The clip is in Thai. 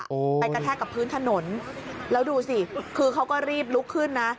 โอ้โหไปกระแทกกับพื้นถนนแล้วดูสิคือเขาก็รีบลุกขึ้นนะ